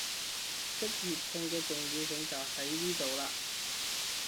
識粵拼嘅重要性就喺呢度喇